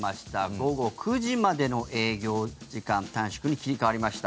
午後９時までの営業時間短縮に切り替わりました。